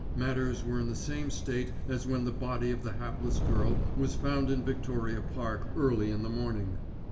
Matters were in the same state as when the body of the hapless girl was found in Victoria Park early in the morning.